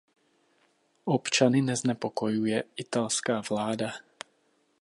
Občany neznepokojuje italská vláda.